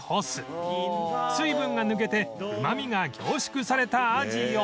水分が抜けてうまみが凝縮されたアジを